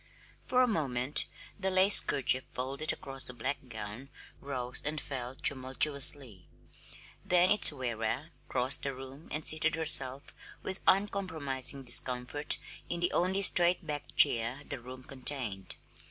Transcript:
For a moment the lace kerchief folded across the black gown rose and fell tumultuously; then its wearer crossed the room and seated herself with uncompromising discomfort in the only straight backed chair the room contained.